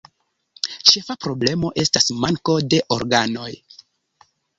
Ĉefa problemo estas manko de organoj.